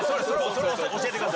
それ教えてください。